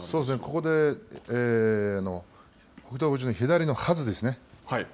ここで、北勝富士の左のはずですね。